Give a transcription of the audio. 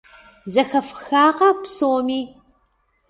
Зэхэфхакъэ псоми?